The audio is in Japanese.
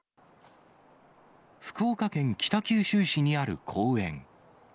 福岡県北九州市にある公園。